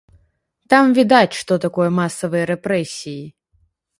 Там відаць, што такое масавыя рэпрэсіі.